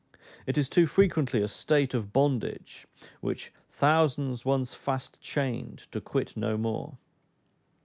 It is too frequently a state of bondage, "which thousands once fast chained to quit no more."